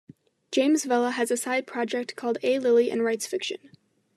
James Vella has a side project called A Lily and writes fiction.